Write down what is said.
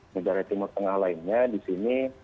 negara timur tengah lainnya di sini